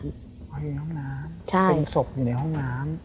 อยู่ในห้องน้ำเป็นศพอยู่ในห้องน้ำ